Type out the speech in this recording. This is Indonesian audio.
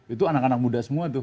itu anak anak muda semua tuh